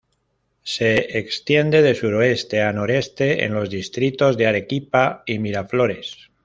Se extiende de suroeste a noreste en los distritos de Arequipa y Miraflores.